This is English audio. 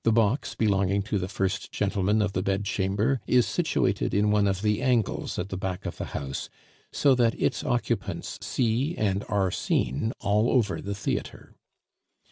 The box belonging to the First Gentleman of the Bedchamber is situated in one of the angles at the back of the house, so that its occupants see and are seen all over the theatre.